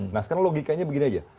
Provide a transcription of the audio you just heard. nah sekarang logikanya begini aja